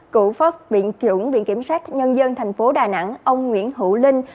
cụ pháp viện kiểung viện kiểm soát nhân dân tp đà nẵng ông nguyễn hữu linh